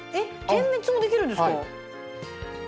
点滅もできるんですか？